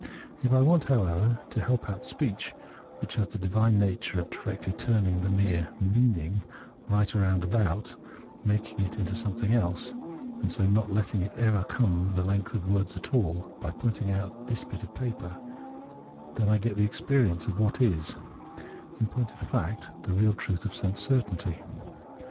If I want, how ever, to help out speech — which has the divine nature of directly turning the mere " meaning " right round about, making it into something else, and so not letting it ever come the length of words at all — by pointing out this bit of paper, then I get the experience of what is, in point of fact, the real truth of sense certainty.